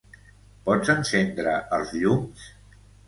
Pots encendre els llums?